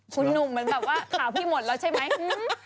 คุณหนุ่มเหมือนแบบว่าข่าวพี่หมดแล้วใช่ไหม